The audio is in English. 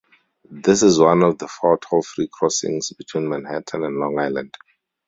This is one of four toll-free crossings between Manhattan and Long Island.